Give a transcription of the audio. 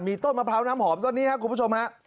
ต้นมะพร้าวน้ำหอมต้นนี้ครับคุณผู้ชมฮะ